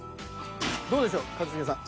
どうでしょう一茂さん。